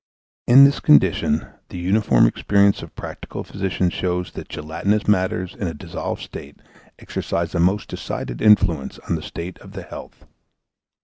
In this condition, the uniform experience of practical physicians shows that gelatinous matters in a dissolved state exercise a most decided influence on the state of the health.